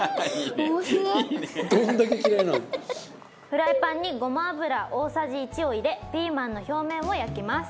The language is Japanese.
フライパンにごま油大さじ１を入れピーマンの表面を焼きます。